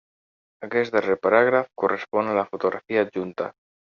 Aquest darrer paràgraf correspon a la fotografia adjunta.